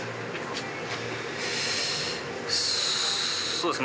そうですね。